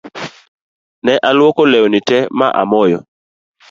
Ne aluoko leuni tee ma amoyo